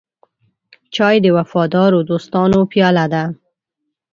چای د وفادارو دوستانو پیاله ده.